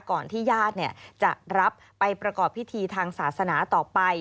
ที่ญาติจะรับไปประกอบพิธีทางศาสนาต่อไป